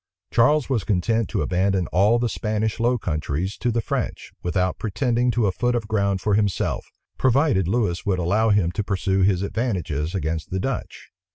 Charles was content to abandon all the Spanish Low Countries to the French, without pretending to a foot of ground for himself, provided Lewis would allow him to pursue his advantages against the Dutch.